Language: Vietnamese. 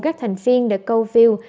các thành viên để câu view